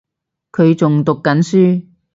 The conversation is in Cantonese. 佢仲讀緊書